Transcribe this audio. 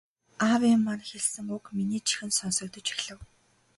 Аавын маань хэлсэн үг миний чихэнд сонсогдож эхлэв.